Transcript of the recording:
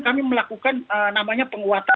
kami melakukan namanya penguatan